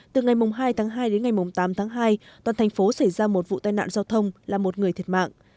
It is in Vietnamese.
từ ngày hai tháng hai đến ngày tám tháng hai toàn thành phố xảy ra một vụ tai nạn giao thông làm một người thiệt mạng